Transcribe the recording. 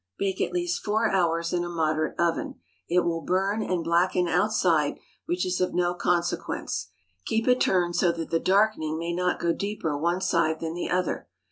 Bake at least four hours in a moderate oven. It will burn and blacken outside, which is of no consequence. Keep it turned so that the darkening may not go deeper one side than the other.